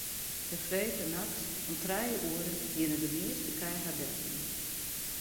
De freedtenachts om trije oere hiene de measte kij har deljûn.